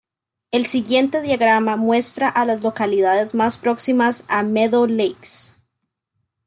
El siguiente diagrama muestra a las localidades más próximas a Meadow Lakes.